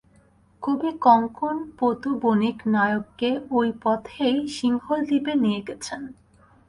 কবিকঙ্কণ পোতবণিক-নায়ককে ঐ পথেই সিংহল দ্বীপে নিয়ে গেছেন।